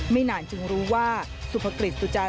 มีความรู้สึกว่า